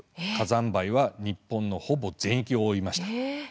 火山灰は日本のほぼ全域を覆いました。